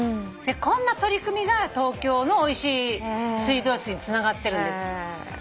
こんな取り組みが東京のおいしい水道水につながってるんです。